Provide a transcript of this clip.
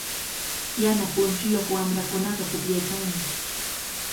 Yana punchuyuq wamrakunaqa pukllaykanmi.